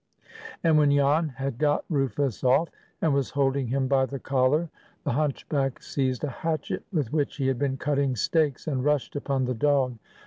And when Jan had got Rufus off, and was holding him by the collar, the hunchback seized a hatchet with which he had been cutting stakes, and rushed upon the dog.